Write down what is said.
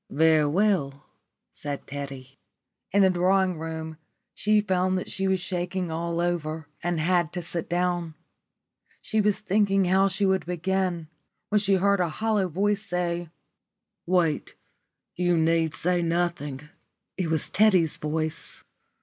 "Very well," said Teddy. In the drawing room she found that she was shaking all over and had to sit down. She was thinking how she would begin, when she heard a hollow voice say, "Wait. You need say nothing." It was Teddy's voice.